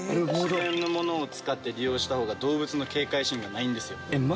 自然のものを使った方が動物の警戒心がないんですよ。